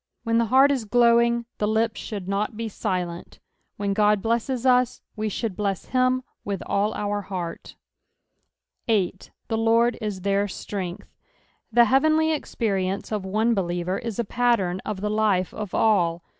When the heart is glowing, the lips should not be silent. When God bleseea u>, we should bless nim with all 8. " The JJ/rd it their ftrength.'" — The heavenly experience of one believer is n pattern of the life of alt.